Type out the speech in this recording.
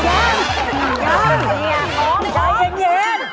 อย่าเย็น